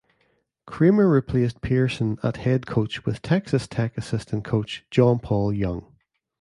Kramer replaced Pearson at head coach with Texas Tech assistant coach, John Paul Young.